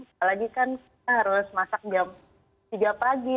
apalagi kan kita harus masak jam tiga pagi